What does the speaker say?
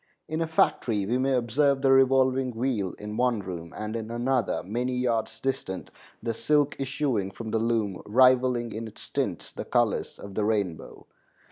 In a factory we may observe the revolving wheel in one room and in another, many yards distant, the silk issuing from the loom, rivaling in its tints the colors of the rainbow.